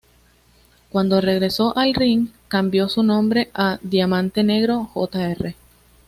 Cuando regresó al ring cambió su nombre a Diamante Negro, Jr.